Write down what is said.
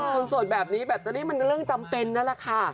ส่วนส่วนแบบนี้แบบนี้มันเรื่องจำเป็นนั่ละค่ะ